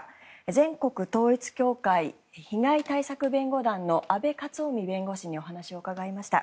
全国統一教会被害対策弁護団の阿部克臣弁護士にお話を伺いました。